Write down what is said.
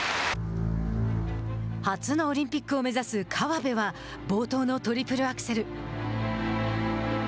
初のオリンピックを目指す河辺は冒頭のトリプルアクセル。